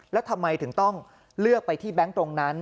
แล้วทำไมถึงต้องเลือกไปที่แบงค์ตรงนั้น